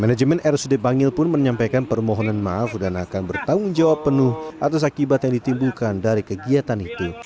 manajemen rsud bangil pun menyampaikan permohonan maaf dan akan bertanggung jawab penuh atas akibat yang ditimbulkan dari kegiatan itu